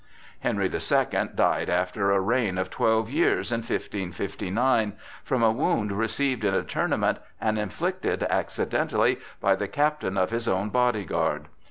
Henry the Second died after a reign of twelve years, in 1559, from a wound received in a tournament and inflicted accidentally by the captain of his own body guard.